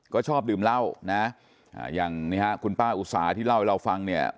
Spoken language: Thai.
ก็ชอบดื่มเหล้านะอย่างนี้ฮะคุณป้าอุตสาที่เล่าให้เราฟังเนี่ย